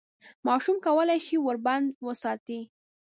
ماشوم کولای شي ور بند وساتي.